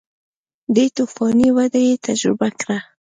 دې توفاني وده یې تجربه کړه